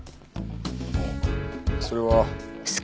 あのそれは？